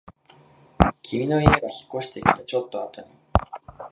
君の家が引っ越してきたちょっとあとに